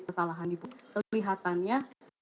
kesalahan di boeing kelihatannya